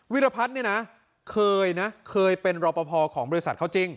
วิรพัฒน์เนี่ยนะเคยนะเคยเป็นรอปภของบริษัทเขาจริง